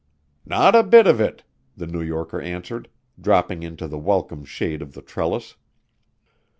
"Not a bit of it," the New Yorker answered, dropping into the welcome shade of the trellis.